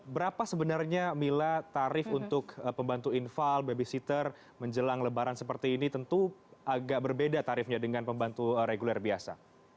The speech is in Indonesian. berapa sebenarnya mila tarif untuk pembantu infal babysitter menjelang lebaran seperti ini tentu agak berbeda tarifnya dengan pembantu reguler biasa